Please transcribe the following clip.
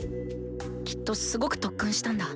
きっとすごく特訓したんだ。